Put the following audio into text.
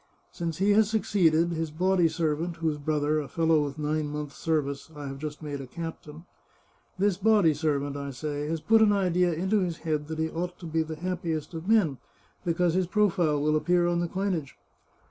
Since he has succeeded, his body servant, whose brother, a fellow with nine months' service, I have just made a captain — this body servant, I say, has put an idea into his head that he ought to be the happiest of men, because his profile will appear on the coinage.